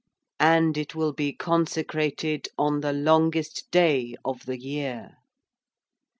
And it will be consecrated on the longest day of the year.'